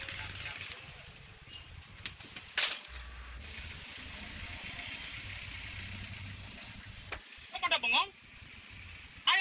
nah itu mikrodetnya ayo